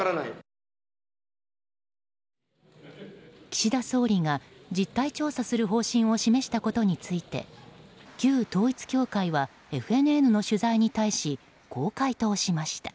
岸田総理が実態調査する方針を示したことについて旧統一教会はＦＮＮの取材に対しこう回答しました。